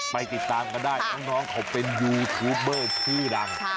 ไปติดตามกันได้น้องเขาเป็นยูทูปเบอร์ชื่อดัง